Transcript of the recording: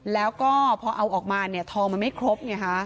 แล้วก็พอเอาออกมาทองมันไม่ครบ